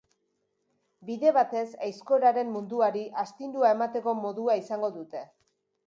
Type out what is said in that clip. Bide batez, aizkoraren munduari astindua emateko modua izango dute.